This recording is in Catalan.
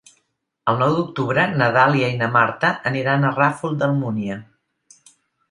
El nou d'octubre na Dàlia i na Marta aniran al Ràfol d'Almúnia.